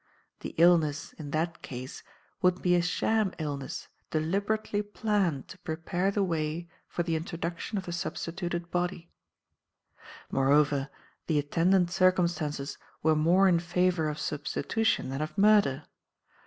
The illness, in that case, would be a sham illness deliberately planned to prepare the way for the introduction of the substituted body. "Moreover, the attendant circumstances were more in favour of substitution than of murder.